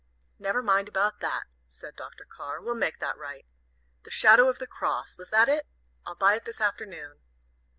"Never mind about that," said Dr. Carr. "We'll make that right. 'The Shadow of the Cross' was that it? I'll buy it this afternoon."